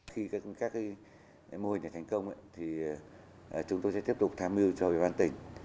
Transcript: khi các mùi này thành công chúng tôi sẽ tiếp tục tham mưu cho địa bàn tỉnh